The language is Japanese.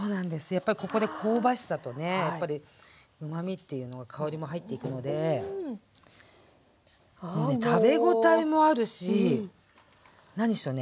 やっぱりここで香ばしさとねやっぱりうまみっていうのは香りも入っていくのでもうね食べ応えもあるし何しろね何だろう